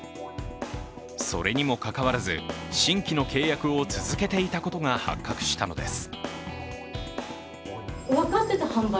それにもかかわらず、新規の契約を続けていたことが発覚したのです。